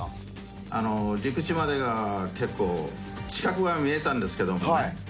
陸地までが結構近くは見えたんですけどもね